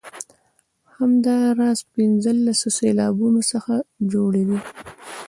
همداراز له پنځلسو سېلابونو څخه جوړې دي.